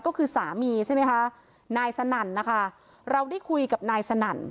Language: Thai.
ก็คือสามีใช่ไหมคะนายสนั่นนะคะเราได้คุยกับนายสนั่น